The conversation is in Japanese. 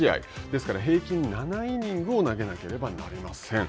ですから、平均７イニングスを投げなければなりません。